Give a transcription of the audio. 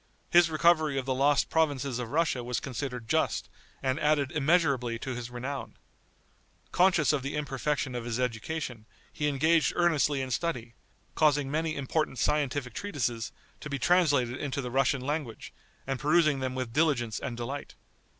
His recovery of the lost provinces of Russia was considered just, and added immeasurably to his renown. Conscious of the imperfection of his education, he engaged earnestly in study, causing many important scientific treatises to be translated into the Russian language, and perusing them with diligence and delight.